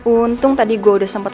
untung tadi gue udah sempat